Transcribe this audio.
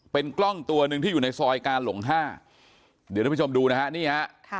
เป็นกล้องตัวหนึ่งที่อยู่ในซอยกาหลงห้าเดี๋ยวท่านผู้ชมดูนะฮะนี่ฮะ